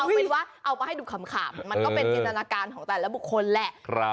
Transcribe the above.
เอาเป็นว่าเอามาให้ดูขำมันก็เป็นจินตนาการของแต่ละบุคคลแหละ